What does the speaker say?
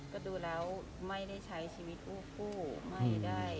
ก็ดูแล้วไม่ได้ใช้ชีวิตคู่ไม่ได้